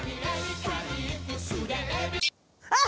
あっ！